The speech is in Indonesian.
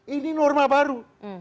ini norma baru